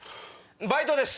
バイトです。